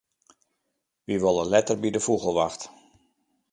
Wy wolle letter by de fûgelwacht.